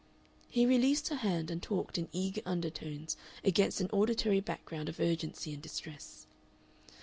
He released her hand and talked in eager undertones against an auditory background of urgency and distress.